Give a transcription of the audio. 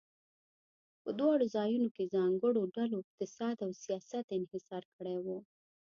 په دواړو ځایونو کې ځانګړو ډلو اقتصاد او سیاست انحصار کړی و.